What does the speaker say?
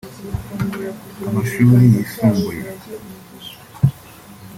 amashuri yisumbuye